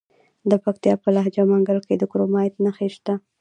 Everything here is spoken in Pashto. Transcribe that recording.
د پکتیا په لجه منګل کې د کرومایټ نښې شته.